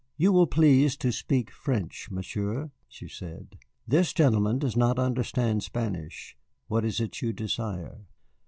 "You will please to speak French, Monsieur," she said; "this gentleman does not understand Spanish. What is it you desire?"